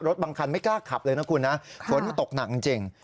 บางคันไม่กล้าขับเลยนะคุณนะฝนมันตกหนักจริง